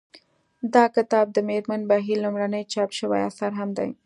دا کتاب د مېرمن بهیر لومړنی چاپ شوی اثر هم دی